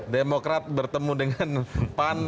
demokrat bertemu dengan pan